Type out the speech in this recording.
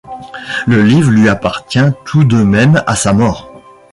Le livre lui appartient tout de même à sa mort.